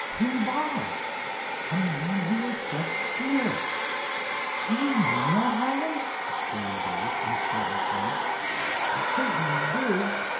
"Who by?" "A man who was just here." "Do you mean that, Hiram?" exclaimed Dave in a startled tone. "I certainly do.